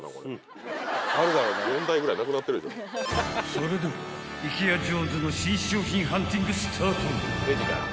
［それではイケア・ジョーンズの新商品ハンティングスタート］